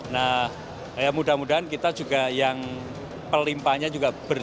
nah mudah mudahan kita juga yang pelimpannya juga berdiri